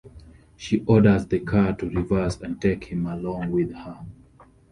She orders the car to reverse and take him along with her.